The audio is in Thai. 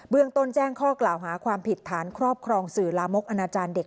เรื่องต้นแจ้งข้อกล่าวหาความผิดฐานครอบครองสื่อลามกอนาจารย์เด็ก